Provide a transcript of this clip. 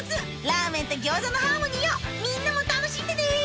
ラーメンと餃子のハーモニーをみんなも楽しんでね！